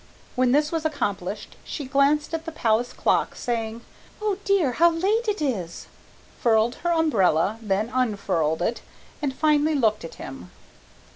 When this was accomplished she glanced at the Palace clock, saying, "Oh dear, how late it is!" furled her umbrella, then unfurled it, and finally looked at him.